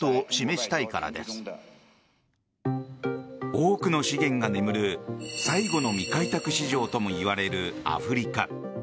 多くの資源が眠る最後の未開拓市場ともいわれるアフリカ。